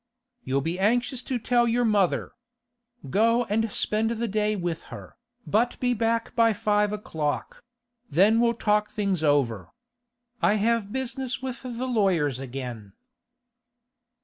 'You'll be anxious to tell your mother. Go and spend the day with her, but be back by five o'clock; then we'll talk things over. I have business with the lawyers again.